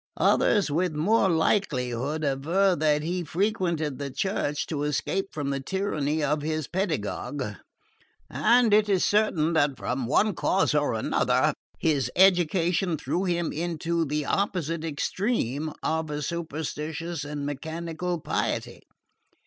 Others with more likelihood aver that he frequented the churches to escape from the tyranny of his pedagogue; and it is certain that from one cause or another his education threw him into the opposite extreme of a superstitious and mechanical piety.